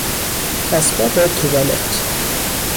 اسباب توالت